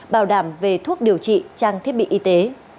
bảo đảm về thuốc điều trị trang thiết bị y tế